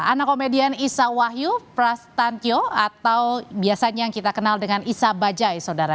anak komedian isa wahyu prastantio atau biasanya yang kita kenal dengan isa bajai saudara